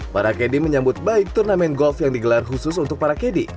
para kd menyambut baik turnamen golf yang digelar khusus untuk para kd